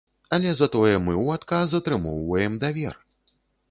Але затое мы ў адказ атрымоўваем давер.